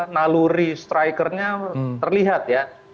naluri strikernya terlihat ya